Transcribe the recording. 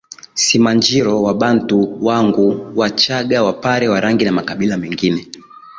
Simanjiro Wabantu Wanguu Wachagga Wapare Warangi na makabila mengine